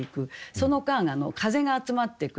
その間風が集まってくる。